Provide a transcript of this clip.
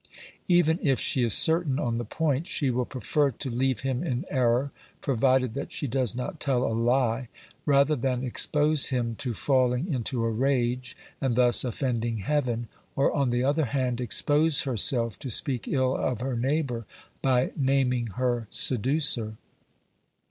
Even if she is certain on the point, she will prefer to leave him in error, provided that she does not tell a lie, rather than expose him to falling into a rage and thus offending Heaven, or, on the other hand, expose herself to speak ill of her neighbour by naming her seducer.